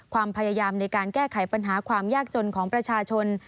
ความพยายามในการแก้ไขปัญหาความยากจนของประชาชน